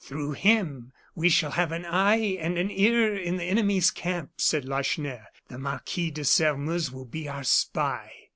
"Through him, we shall have an eye and an ear in the enemy's camp," said Lacheneur. "The Marquis de Sairmeuse will be our spy."